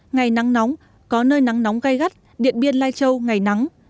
ngày nắng nóng có nơi nắng nóng gai gắt điện biên lai châu ngày nắng